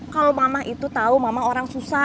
kalau mama itu tahu mama orang susah